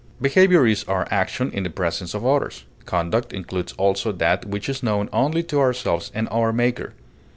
Behavior is our action in the presence of others; conduct includes also that which is known only to ourselves and our Maker.